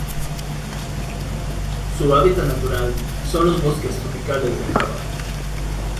Su hábitat natural son los bosques tropicales de Java.